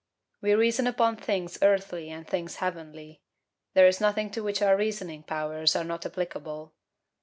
We reason upon things earthly and things heavenly; there is nothing to which our reasoning powers are not applicable.